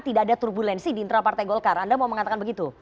tidak ada turbulensi di internal partai golkar anda mau mengatakan begitu